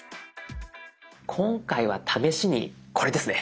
今回は試しにこれですね。